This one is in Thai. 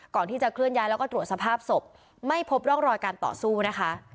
ก่อนที่จะเคลื่อนย้ายแล้วก็ตรวจสภาพศพไม่พบร่องรอยการต่อสู้นะคะ